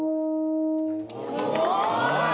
すごーい！